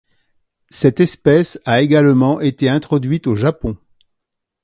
Cette espèce a également été introduite au Japon.